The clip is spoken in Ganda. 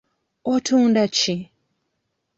Otunda ki?